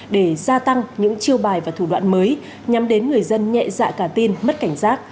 để gia tăng những chiêu bài và thủ đoạn mới nhắm đến người dân nhẹ dạ cả tin mất cảnh giác